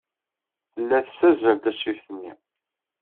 Tella tessazzal tasfift-nni.